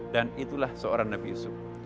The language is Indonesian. dan itulah seorang nabi yusuf